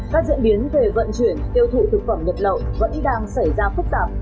các diễn biến về vận chuyển tiêu thụ thực phẩm nhập lậu vẫn đang xảy ra phức tạp